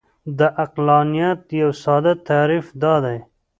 د عقلانیت یو ساده تعریف دا دی.